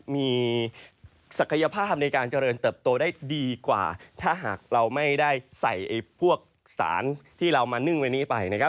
มีศักยภาพในการเจริญเติบโตได้ดีกว่าถ้าหากเราไม่ได้ใส่พวกสารที่เรามานึ่งวันนี้ไปนะครับ